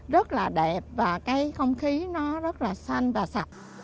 rất là đẹp và cái không khí nó rất là xinh